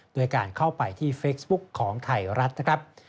ด้วยการเข้าไปที่เฟซบุ๊กของไทยรัฐนะครับ